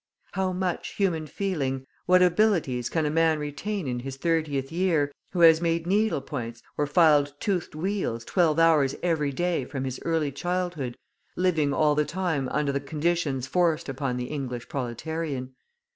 How much human feeling, what abilities can a man retain in his thirtieth year, who has made needle points or filed toothed wheels twelve hours every day from his early childhood, living all the time under the conditions forced upon the English proletarian?